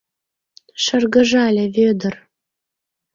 — Шыргыжале Вӧдыр.